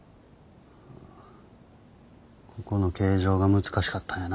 ここの形状が難しかったんやな。